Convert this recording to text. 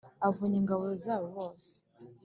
avunya ingabo zabo bose